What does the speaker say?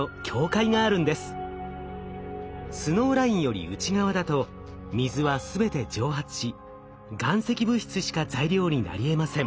スノーラインより内側だと水は全て蒸発し岩石物質しか材料になりえません。